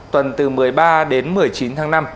tuần từ một mươi ba đến một mươi chín tháng năm